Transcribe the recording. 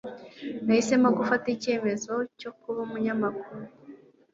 Nahisemo gufata icyemezo cyo kuba umunyamakuru.